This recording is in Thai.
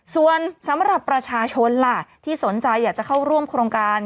ส่วนสำหรับประชาชนล่ะที่สนใจอยากจะเข้าร่วมโครงการ